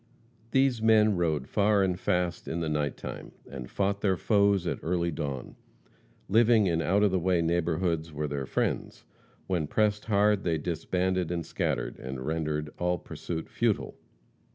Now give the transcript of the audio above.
These men rode far and fast in the night time, and fought their foes at early dawn. Living in out of the way neighborhoods were their friends. When pressed hard they disbanded and scattered, and rendered all pursuit futile.